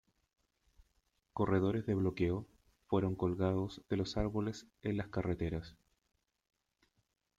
Corredores de bloqueo fueron colgados de los árboles en las carreteras.